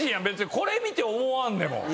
これ見て思わんでも。